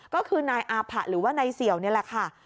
ก็คือนายอาผะหรือว่านายเสี่ยวนี่แหละค่ะ